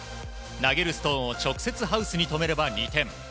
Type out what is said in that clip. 投げるストーンを直接ハウスに止めれば２点。